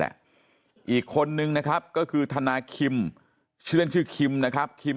อีกคนนึงนะครับก็คือธนาคิมชื่อเล่นชื่อคิมนะครับคิม